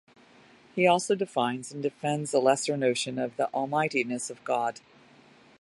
He also defines and defends a lesser notion of the "almightiness" of God.